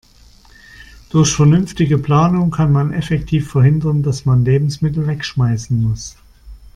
Durch vernünftige Planung kann man effektiv verhindern, dass man Lebensmittel wegschmeißen muss.